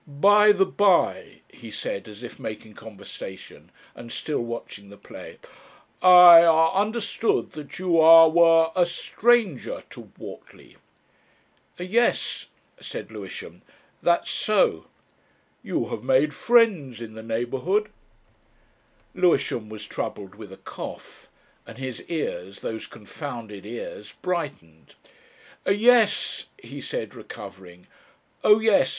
"By the bye," he said, as if making conversation and still watching the play; "I, ah, understood that you, ah were a stranger to Whortley." "Yes," said Lewisham, "that's so." "You have made friends in the neighbourhood?" Lewisham was troubled with a cough, and his ears those confounded ears brightened, "Yes," he said, recovering, "Oh yes.